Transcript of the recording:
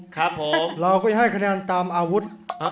เรากำกินให้คะแนนตามอาวุธ